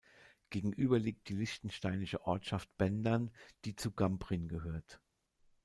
Gegenüber liegt die liechtensteinische Ortschaft Bendern, die zu Gamprin gehört.